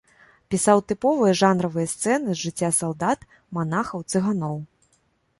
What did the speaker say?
Пісаў тыповыя жанравыя сцэны з жыцця салдат, манахаў, цыганоў.